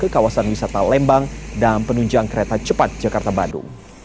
kawasan wisata lembang dan penunjang kereta cepat jakarta bandung